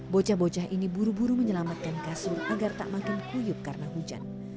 bocah bocah ini buru buru menyelamatkan kasur agar tak makin kuyuk karena hujan